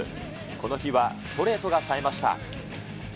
この日はストレートがさえました。